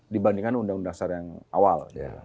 dibandingkan undang undang dasar yang awal